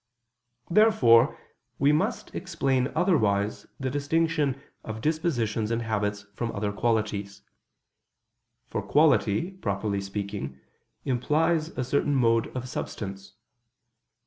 Therefore we must explain otherwise the distinction of dispositions and habits from other qualities. For quality, properly speaking, implies a certain mode of substance.